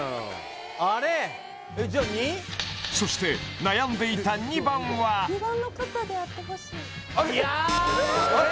そして悩んでいた２番はあれ？